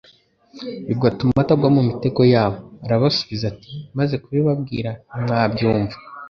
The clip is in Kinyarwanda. bigatuma atagwa mu mitego yabo. «Arabasubiza ati: Maze kubibabwira ntimwabyumva,